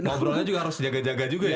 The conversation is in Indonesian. ngobrolnya juga harus jaga jaga juga ya